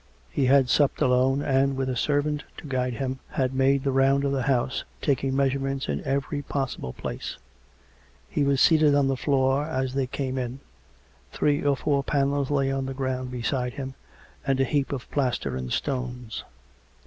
He had supped alone, and, with a servant to guide him, had made the round of the house, taking measurements in every possible place. He was seated on the floor as tliey came in; three or four panels lay on the ground beside him, and a heap of plaster and stones.